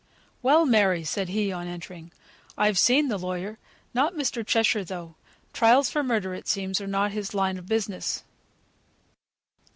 "Well! Mary," said he on entering, "I've seen the lawyer, not Mr. Cheshire though; trials for murder, it seems, are not his line o' business.